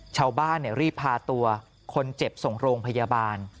ชาวบ้านรีบพาตัวคนเจ็บส่งโรงพยาบาล